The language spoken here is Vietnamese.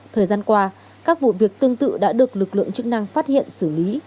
thời gian qua các vụ việc tương tự đã được lực lượng chức năng phát hiện xử lý